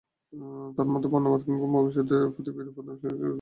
তাঁর মতে, বর্ণবাদ কিংবা অভিবাসীদের প্রতি বিরূপ মনোভাব যুক্তরাজ্যে আগেও ছিল।